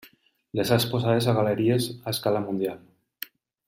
Les ha exposades a galeries a escala mundial.